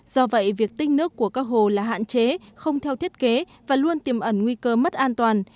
do vậy việc tích nước của các hồ là hạn chế không theo thiết kế và luôn tiềm ẩn nguy cơ mất an toàn